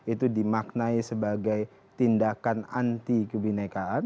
itu dimaknai sebagai tindakan anti kebinekaan